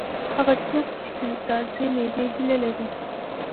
هغه څوک چې د تازه مېوې هیله لري.